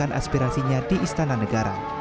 ini adalah aspirasinya di istana negara